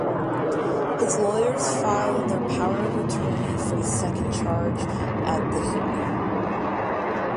His lawyers filed their power of attorney for the second charge at the hearing.